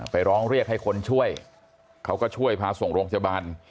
ไปร้องเรียกให้คนช่วยเขาก็ช่วยพาส่งโรงพยาบาล